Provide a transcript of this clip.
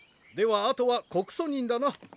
ではあとは告訴人だな。